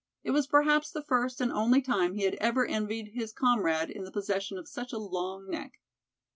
It was perhaps the first and only time he had ever envied his comrade in the possession of such a long neck.